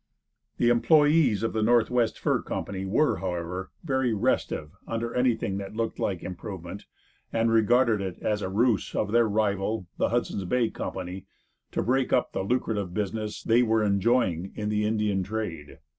The employes of the Northwest Fur Company were, however, very restive under anything that looked like improvement, and regarded it as a ruse of their rival, the Hudson Bay Company, to break up the lucrative business they were enjoying in the Indian trade.